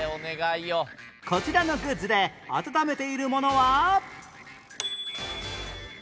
こちらのグッズで温めているものは